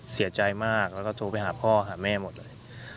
เสียใจมากแล้วก็โทรไปหาพ่อหาแม่หมดเลย